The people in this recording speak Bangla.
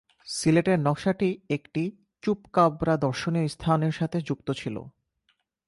সিলের নকশাটি একটি চুপাকাব্রা দর্শনীয় স্থানের সাথে যুক্ত ছিল।